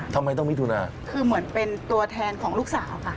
ทำไมต้องมิถุนาคือเหมือนเป็นตัวแทนของลูกสาวค่ะ